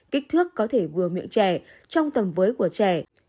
kích thước có thể vừa miệng trẻ trong tầm với của trẻ